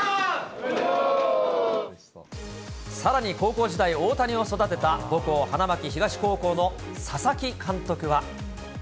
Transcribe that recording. さらに高校時代、大谷を育てた母校、花巻東高校の佐々木監督は。